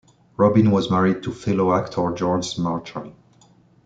Robin was married to fellow actor Georges Marchal.